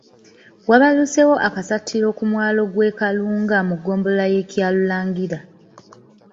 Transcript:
Wabaluseewo akasattiro ku mwalo gw’e Kalunga mu ggombolola y’e Kyalulangira.